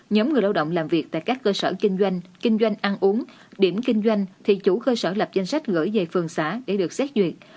nhóm người lao động làm việc tại các cơ sở kinh doanh kinh doanh ăn uống điểm kinh doanh thì chủ cơ sở lập danh sách gửi về phường xã để được xét duyệt